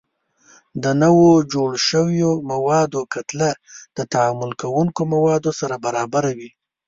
د نوو جوړ شویو موادو کتله د تعامل کوونکو موادو سره برابره وي.